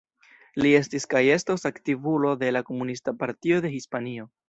Li estis kaj estos aktivulo de la Komunista Partio de Hispanio.